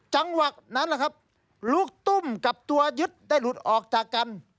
จังหวัดนั้นลูกตุ้มกับตัวยึดได้หลุดออกจากกัน